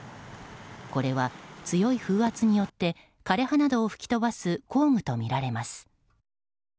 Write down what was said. これは、強い風圧によって枯れ葉などを吹き飛ばす工具とみられます。